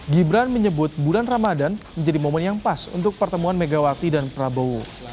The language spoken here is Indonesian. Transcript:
gibran menyebut bulan ramadan menjadi momen yang pas untuk pertemuan megawati dan prabowo